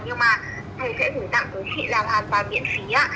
nhưng mà thầy sẽ gửi tặng tới chị là hoàn toàn biện phí ạ